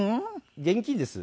現金です。